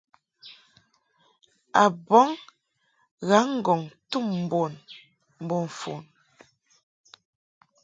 A bɔŋ ghaŋ-ŋgɔŋ tum bun mbo mfon.